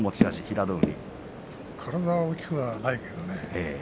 体は大きくないけどね。